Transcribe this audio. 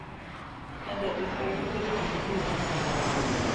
And it was very good of you, too.